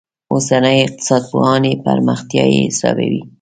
اوسني اقتصاد پوهان یې پرمختیايي حسابوي.